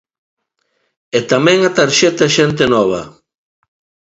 E tamén a tarxeta Xente Nova.